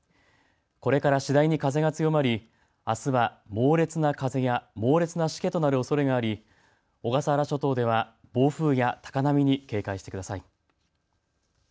これから次第に風が強まりあすは猛烈な風や猛烈なしけとなるおそれがあり小笠原諸島では暴風や高波に警戒してください。